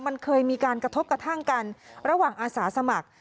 มันเคยมีการกระทบกระทั่งกันระหว่างอาสาสมัคร